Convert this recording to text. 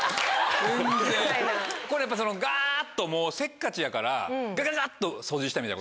これやっぱガっとせっかちやからガガガ！っと掃除したい？